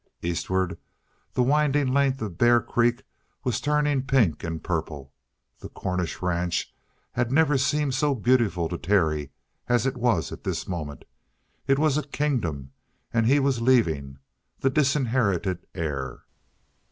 Eastward the winding length of Bear Creek was turning pink and purple. The Cornish ranch had never seemed so beautiful to Terry as it was at this moment. It was a kingdom, and he was leaving, the disinherited heir.